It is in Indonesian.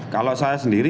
kalau saya sendiri